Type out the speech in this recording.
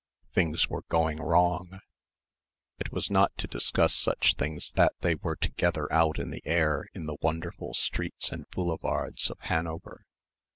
Things were going wrong. It was not to discuss such things that they were together out in the air in the wonderful streets and boulevards of Hanover.